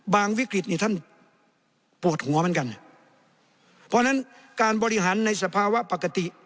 วิกฤตนี่ท่านปวดหัวเหมือนกันเพราะฉะนั้นการบริหารในสภาวะปกติ